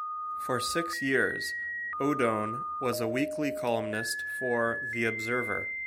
For six years Odone was a weekly columnist for "The Observer".